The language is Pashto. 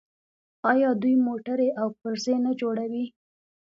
آیا دوی موټرې او پرزې نه جوړوي؟